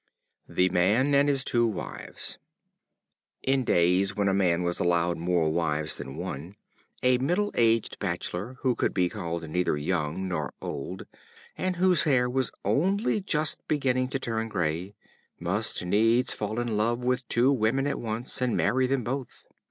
The Man and His Two Wives. In days when a man was allowed more wives than one, a middle aged bachelor, who could be called neither young nor old, and whose hair was only just beginning to turn gray, must needs fall in love with two women at once, and marry them both.